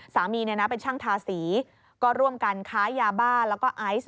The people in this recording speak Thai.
สามีเป็นช่างทาสีก็ร่วมกันค้ายาบ้าแล้วก็ไอซ์